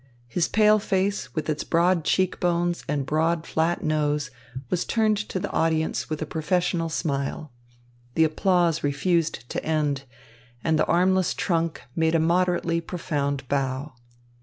His pale face, with its broad cheek bones and broad flat nose, was turned to the audience with a professional smile. The applause refused to end, and the armless trunk made a moderately profound bow.